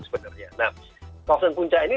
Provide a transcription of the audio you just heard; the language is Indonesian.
sebenarnya nah kawasan puncak ini